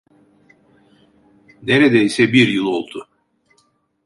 Neredeyse bir yıl oldu.